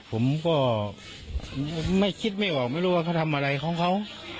ผมก็ไม่คิดไม่ออกไม่รู้ว่าเขาทำอะไรของเขา